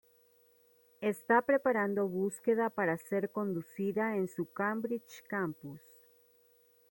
Está preparando búsqueda para ser conducida en su Cambridge campus.